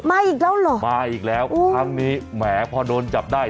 อีกแล้วเหรอมาอีกแล้วครั้งนี้แหมพอโดนจับได้